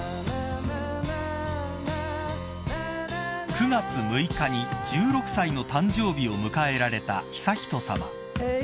［９月６日に１６歳の誕生日を迎えられた悠仁さま］